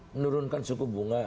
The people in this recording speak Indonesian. menurunkan suku bunga